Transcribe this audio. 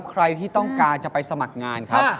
ใครที่ต้องการจะไปสมัครงานครับ